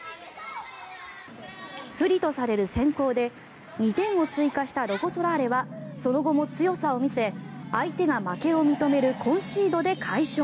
不利とされる先攻で２点を追加したロコ・ソラーレはその後も強さを見せ相手が負けを認めるコンシードで快勝。